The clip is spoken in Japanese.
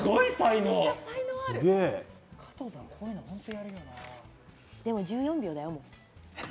もうでも１４秒だよ。